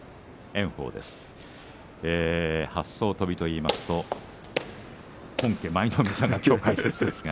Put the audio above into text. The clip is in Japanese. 八艘はっそう飛びといいますと本家舞の海さんがきょう解説です。